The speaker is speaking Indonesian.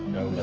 ya allah kita